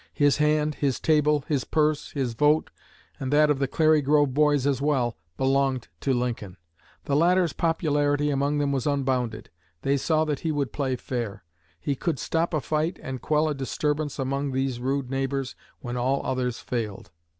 His hand, his table, his purse, his vote, and that of the Clary Grove Boys as well, belonged to Lincoln. The latter's popularity among them was unbounded. They saw that he would play fair. He could stop a fight and quell a disturbance among these rude neighbors when all others failed."